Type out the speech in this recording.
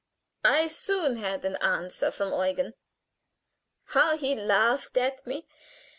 I soon had an answer from Eugen. How he laughed at me!